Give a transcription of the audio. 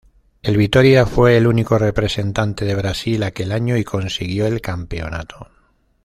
El Vitória fue el único representante de Brasil aquel año y consiguió el campeonato.